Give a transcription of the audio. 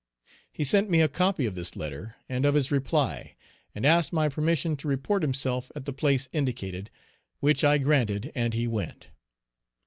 He sent me a copy of this letter and of his reply, and asked my permission to report himself at the place indicated; which I granted, and he went.